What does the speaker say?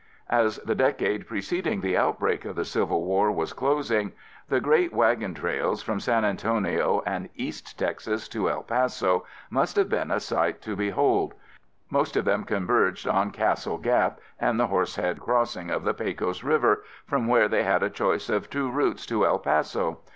As the decade preceding the outbreak of the Civil War was closing, the great wagon trails from San Antonio and East Texas to El Paso must have been a sight to behold. Most of them converged on Castle Gap and the Horsehead Crossing of the Pecos River, from where they had a choice of two routes to El Paso.